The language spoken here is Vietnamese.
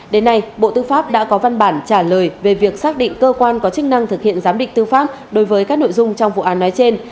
đến nay bộ tư pháp đã có văn bản trả lời về việc xác định cơ quan có chức năng thực hiện giám định tư pháp đối với các nội dung trong vụ án nói trên